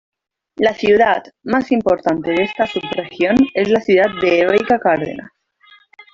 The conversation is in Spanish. La ciudad más importante de esta sub región es la ciudad de Heroica Cárdenas.